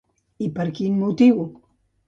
I per quin motiu?